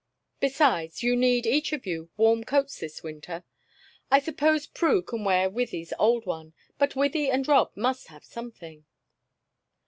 Besides, you need, each of you, warm coats this winter. I suppose Prue can wear Wythie's old one, but Wythie and Rob must have something."